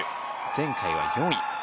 前回は４位。